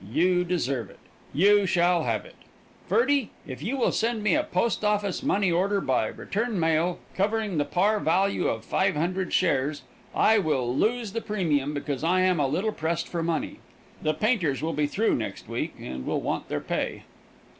You deserve it. You shall have it. Ferdie, if you will send me a post office money order by return mail, covering the par value of five hundred shares, I will lose the premium, because I am a little pressed for money. The painters will be through next week, and will want their pay.